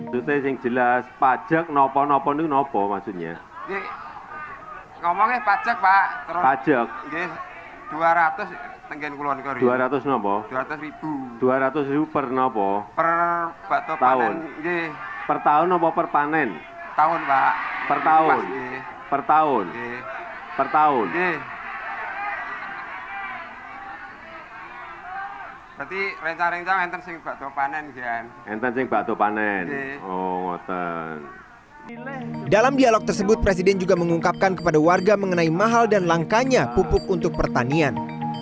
dalam dialog tersebut presiden juga mengungkapkan kepada warga mengenai mahal dan langkanya pupuk untuk pertanian